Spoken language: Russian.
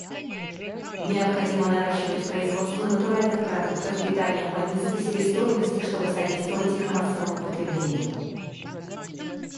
Необходимо наращивать производство натуральных продуктов питания по низкой себестоимости, чтобы содействовать их массовому потреблению.